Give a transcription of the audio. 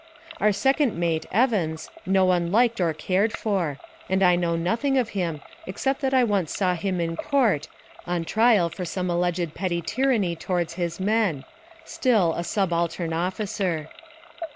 Our second mate, Evans, no one liked or cared for, and I know nothing of him, except that I once saw him in court, on trial for some alleged petty tyranny towards his men, still a subaltern officer.